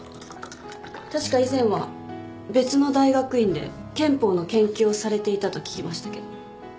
確か以前は別の大学院で憲法の研究をされていたと聞きましたけど。